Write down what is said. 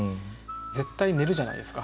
絶対寝るじゃないですか。